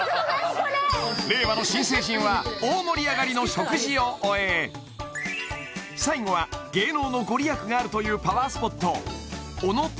これ令和の新成人は大盛り上がりの食事を終え最後は芸能の御利益があるというパワースポット小野照